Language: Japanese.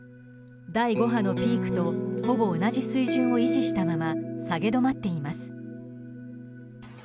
第５波のピークとほぼ同じ水準を維持したまま下げ止まっています。